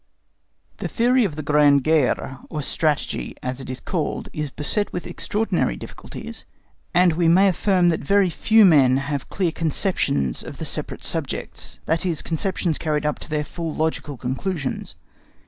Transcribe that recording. The theory of the Grande Guerre, or Strategy, as it is called, is beset with extraordinary difficulties, and we may affirm that very few men have clear conceptions of the separate subjects, that is, conceptions carried up to their full logical conclusions.